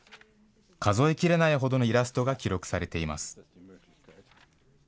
数えきれないほどのイラストが記録されています。